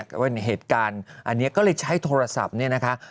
ก็เป็นเหตุการณ์อันนี้ก็เลยใช้โทรศัพท์เนี่ยนะคะ